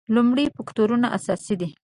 لومړی فکټور اساسي دی.